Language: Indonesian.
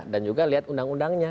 dan juga lihat undang undangnya